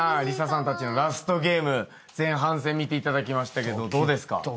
里紗さんたちのラストゲーム前半戦見ていただきましたけどどうですか？